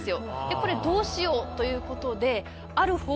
これどうしようということで。